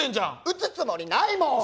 撃つつもりないもん！